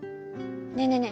ねえねえね